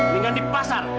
tinggal di pasar